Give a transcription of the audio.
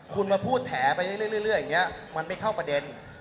คุณมาพูดแถไปเรื่อยอย่างนี้มันไม่เข้าประเด็น